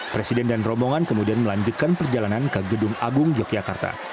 presiden dan rombongan kemudian melanjutkan perjalanan ke gedung agung yogyakarta